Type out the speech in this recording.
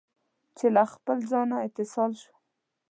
چې له خپل ځان، اتصال شوم